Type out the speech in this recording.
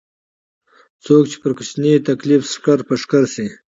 څوک چې پر کوچني تکليف ښکر په ښکر شي.